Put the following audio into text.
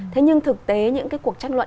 thế nhưng thực tế những cuộc tranh luận